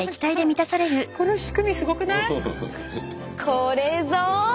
これぞ。